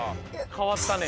かわったね。